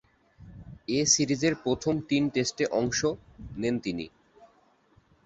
এ সিরিজের প্রথম তিন টেস্টে অংশ নেন তিনি।